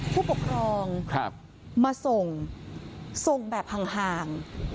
ผู้ปกครองมาส่งส่งแบบห่าง